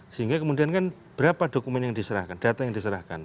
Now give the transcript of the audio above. sehingga kemudian kan berapa dokumen yang diserahkan data yang diserahkan